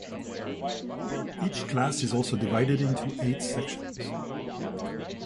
Each class is also divided into eight sections.